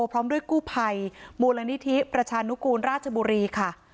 พร้อมด้วยกู้ภัยมูลนิธิประชานุกูลราชบุรีค่ะ